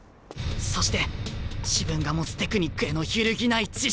そして自分が持つテクニックへの揺るぎない自信！